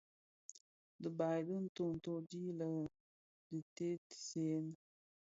Dhibag di ntööto di dhi diteesèn.